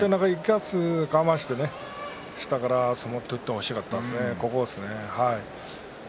我慢して下から相撲を取ってほしかったですね。